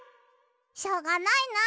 しょうがないな。